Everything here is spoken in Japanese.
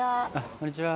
こんにちは。